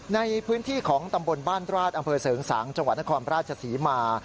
ในพื้นที่ของตำบลบ้านราชอำเภอเสริงสางจังหวัดนครราชศรีมา